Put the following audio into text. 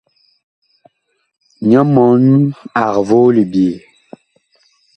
Nyɔ mɔɔn ag voo libyee.